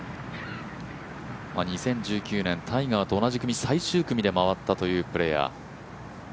２０１９年、タイガーと同じ組最終組でまわったというプレーヤー。